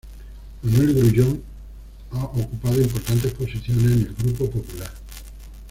Manuel Grullón ha ocupado importantes posiciones en el Grupo Popular.